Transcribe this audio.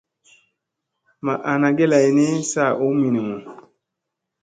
Ma ana ge lay ni saa ha nunimu.